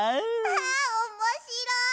あおもしろい！